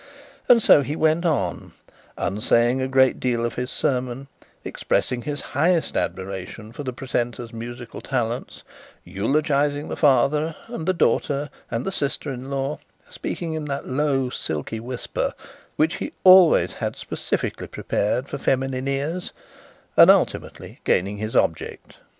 And so he went on, unsaying a great deal of his sermon, expressing his highest admiration for the precentor's musical talents, eulogising the father and the daughter and the sister in law, speaking in that low silky whisper which he always had specially prepared for feminine ears, and, ultimately, gaining his object.